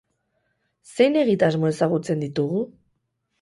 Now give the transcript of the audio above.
Zein egitasmo ezagutzen ditugu?